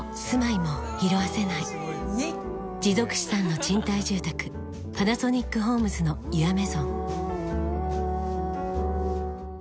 持続資産の賃貸住宅「パナソニックホームズのユアメゾン」